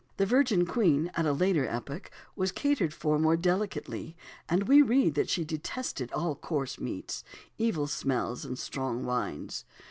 The Virgin Queen, at a later epoch, was catered for more delicately; and we read that she detested all coarse meats, evil smells, and strong wines.